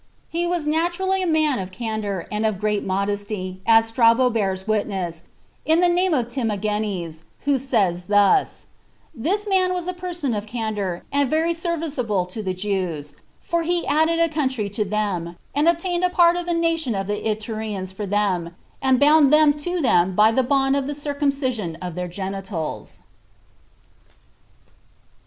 He was naturally a man of candor, and of great modesty, as Strabo bears witness, in the name of Timagenes; who says thus: "This man was a person of candor, and very serviceable to the Jews; for he added a country to them, and obtained a part of the nation of the Itureans for them, and bound them to them by the bond of the circumcision of their genitals."